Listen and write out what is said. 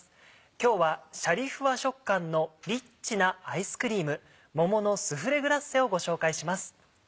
今日はシャリふわ食感のリッチなアイスクリーム「桃のスフレグラッセ」をご紹介します。